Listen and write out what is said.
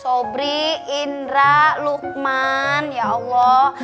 sobri indra lukman ya allah